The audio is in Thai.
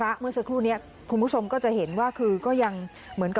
บางตอนก็มีอาการเกลี้ยวกราษต่อว่าพระต่อว่าชาวบ้านที่มายืนล้อมอยู่แบบนี้ค่ะ